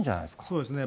そうですね。